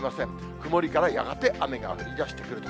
曇りからやがて雨が降りだしてくると。